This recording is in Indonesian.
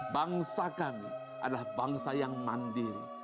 bangsa kami adalah bangsa yang mandiri